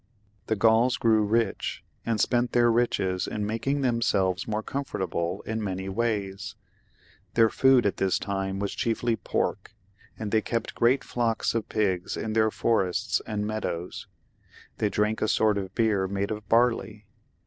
The Gauls grew rich, and spent their riches in making themselves more comfortable in many ways. Their food at this time was chiefly pork and ham, and they kept great flocks of pigs in their forests and meadows ; they drank a sort of beer made of barley.